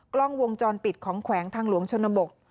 กล้องวงจรปิดของแขวงทางหลวงชนบก